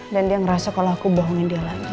dan dia ngerasa kalau aku bohongin dia lagi